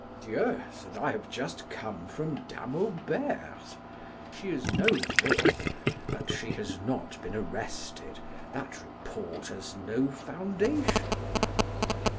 "Yes, and I have just come from Dame Aubert's; she is no myth, but she has not been arrested; that report has no foundation."